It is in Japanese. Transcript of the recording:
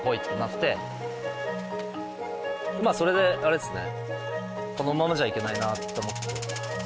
まあそれであれですね。